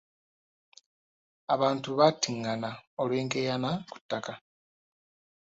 Abantu battingana olw'enkaayana ku ttaka.